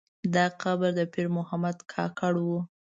دا قبر د پیر محمد کاکړ و.